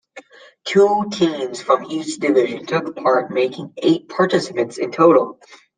Two teams from each division took part, making eight participants in total.